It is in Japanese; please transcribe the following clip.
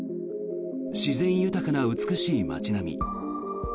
自然豊かな美しい街並み。